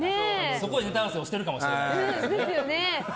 そこでネタ合わせをしてるかもしれない。